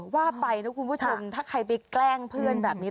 ว่าไปนะคุณผู้ชมถ้าใครไปแกล้งเพื่อนแบบนี้